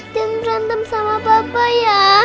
jangan berantem sama bapak ya